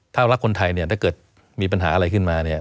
ถ้ารักคนไทยเนี่ยถ้าเกิดมีปัญหาอะไรขึ้นมาเนี่ย